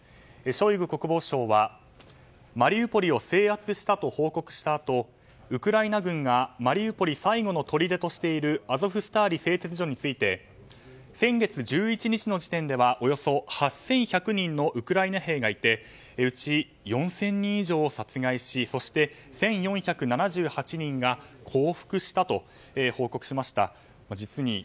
ショイグ国防相はマリウポリを制圧したと報告したあとウクライナ軍がマリウポリの最後のとりでとしているアゾフスターリ製鉄所について先月１１日の時点ではおよそ８１００人のウクライナ兵がいてうち４０００人以上を殺害しそして１４７８人が降伏したと報告しました。